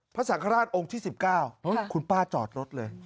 พระสังฆราชองค์ที่๑๙คุณป้าจอดรถเลย